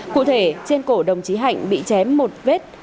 cụ thể trên cổ đồng chí hạnh bị chém một vết